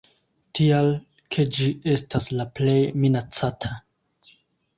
Tial, ke ĝi estas la plej minacata.